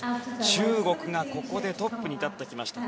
中国がここでトップに立ってきました。